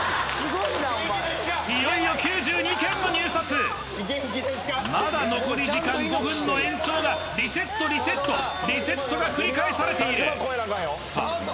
いよいよ９２件の入札まだ残り時間５分の延長だリセットリセットリセットが繰り返されているさあ